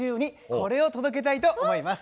これを届けたいと思います。